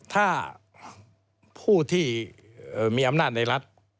ถ้าผู้ที่มีอำนาจในรัฐ